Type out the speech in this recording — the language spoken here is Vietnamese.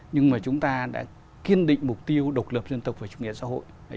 nhưng mà chúng ta đã kiên định mục tiêu độc lập dân tộc và chủ nghĩa xã hội